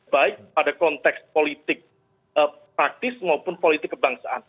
baik pada konteks politik praktis maupun politik kebangsaan